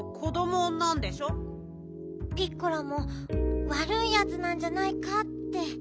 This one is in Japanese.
ピッコラもわるいやつなんじゃないかって。